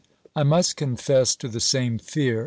I must confess to the same fear.